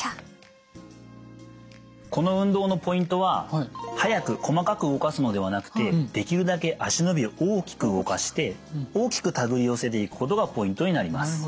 この運動のポイントは速く細かく動かすのではなくてできるだけ足の指を大きく動かして大きくたぐり寄せていくことがポイントになります。